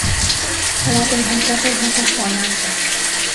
রাতে ঘণ্টার পর ঘণ্টা ফোনে আড্ডা।